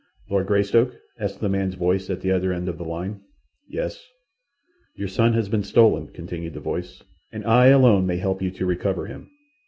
"Lord Greystoke?" asked a man's voice at the other end of the line. "Yes." "Your son has been stolen," continued the voice, "and I alone may help you to recover him.